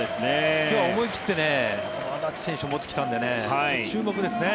今日は思い切ってこの安達選手を持ってきたので注目ですね。